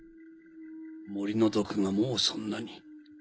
森の毒がもうそんなに。